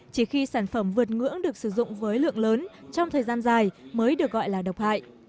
chỉ khi sản phẩm vượt ngưỡng được sử dụng với lượng lớn trong thời gian dài mới được gọi là độc hại